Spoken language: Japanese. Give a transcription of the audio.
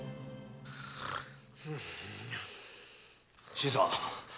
新さん！